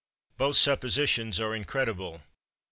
Both suppositions are incredible.